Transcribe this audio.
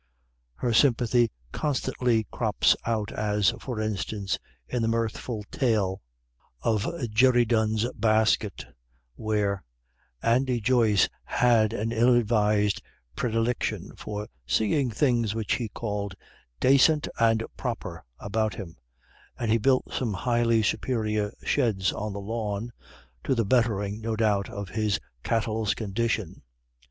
Her sympathy constantly crops out, as, for instance, in the mirthful tale of 'Jerry Dunne's Basket,' where "Andy Joyce had an ill advised predilection for seeing things which he called 'dacint and proper' about him, and he built some highly superior sheds on the lawn, to the bettering, no doubt, of his cattle's condition.